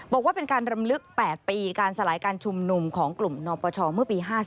บอกว่าเป็นการรำลึก๘ปีการสลายการชุมนุมของกลุ่มนปชเมื่อปี๕๔